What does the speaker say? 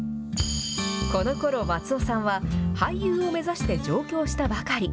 このころ、松尾さんは俳優を目指して上京したばかり。